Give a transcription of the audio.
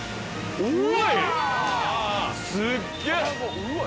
うわ！